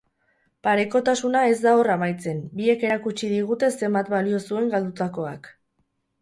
Parekotasuna ez da hor amaitzen, biek erakutsi digute zenbat balio zuen galdutakoak.